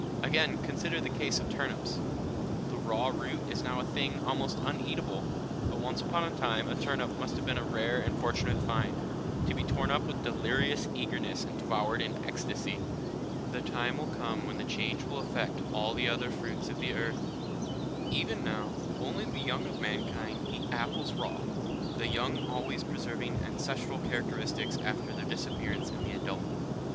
Again, consider the case of turnips; the raw root is now a thing almost uneatable, but once upon a time a turnip must have been a rare and fortunate find, to be torn up with delirious eagerness and devoured in ecstasy. The time will come when the change will affect all the other fruits of the earth. Even now, only the young of mankind eat apples raw the young always preserving ancestral characteristics after their disappearance in the adult.